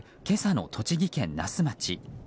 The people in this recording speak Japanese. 今日の栃木県那須町。